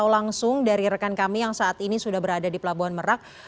langsung dari rekan kami yang saat ini sudah berada di pelabuhan merak